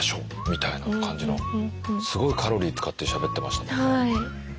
すごいカロリー使ってしゃべってましたもんね。